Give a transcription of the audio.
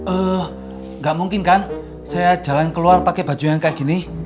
enggak mungkin kan saya jalan keluar pakai baju yang kayak gini